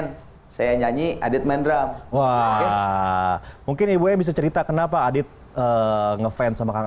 saya nyanyi adit main drum wah mungkin ibunya bisa cerita kenapa adit ngefans sama kang